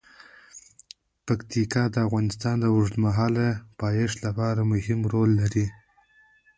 پکتیکا د افغانستان د اوږدمهاله پایښت لپاره مهم رول لري.